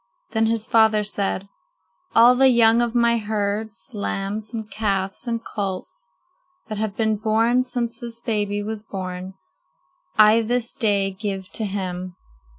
Then his father said: "All the young of my herds, lambs and calves and colts, that have been born since this baby was born I this day give to him.